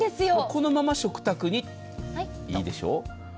このまま食卓に、いいでしょ。